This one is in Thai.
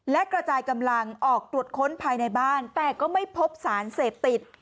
และกระจายกำลังออกตรวจค้นภายในบ้านแต่ก็ไม่พบสารเสพติด